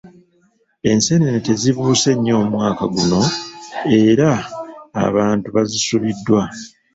Enseenene tezibuuse nnyo omwaka guno era abantu bazisubiddwa.